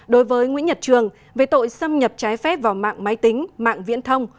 đối với nguyễn nhật trường về tội xâm nhập trái phép vào mạng máy tính mạng viễn thông